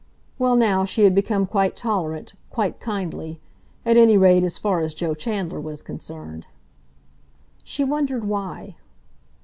Well, now she had become quite tolerant, quite kindly—at any rate as far as Joe Chandler was concerned. She wondered why.